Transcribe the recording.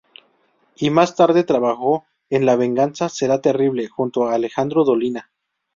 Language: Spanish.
Y más tarde trabajó en "La venganza será terrible", junto a Alejandro Dolina.